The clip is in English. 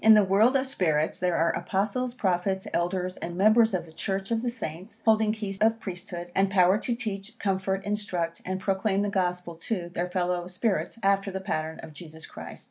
In the world of spirits there are Apostles, Prophets, Elders, and members of the Church of the Saints, holding keys of Priesthood, and power to teach, comfort, instruct, and proclaim the Gospel to, their fellow spirits, after the pattern of Jesus Christ.